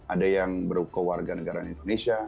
ada yang berkewarga negara indonesia